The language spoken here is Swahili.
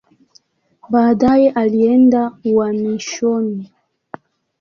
Baadaye alienda uhamishoni.